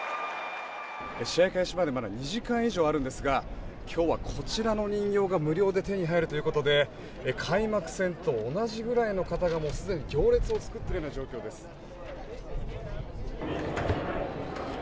試合開始までまだ２時間以上あるんですが今日はこちらの人形が無料で手に入るということで開幕戦と同じぐらいの方がもうすでに行列を作っているような状況です。